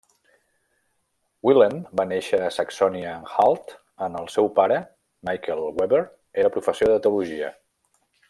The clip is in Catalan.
Wilhelm va néixer a Saxònia-Anhalt, on el seu pare, Michael Weber, era professor de teologia.